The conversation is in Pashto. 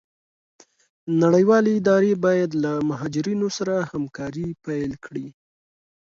نړيوالي اداري بايد له مهاجرينو سره همکاري پيل کړي.